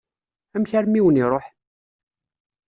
Amek armi i wen-iṛuḥ?